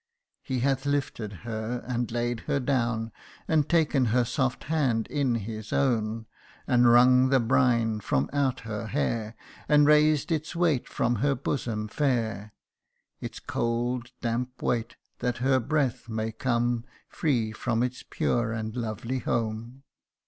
CANTO IV. 155 He hath lifted her and laid her down, And taken her soft hand in his own, And wrung the brine from out her hair, And raised its weight from her bosom fair, Its cold damp weight, that her breath may come Free from its pure and lovely home.